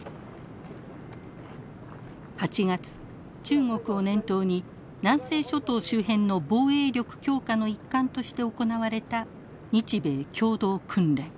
８月中国を念頭に南西諸島周辺の防衛力強化の一環として行われた日米共同訓練。